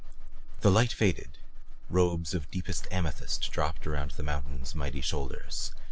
The light faded, robes of deepest amethyst dropped around the mountain's mighty shoulders.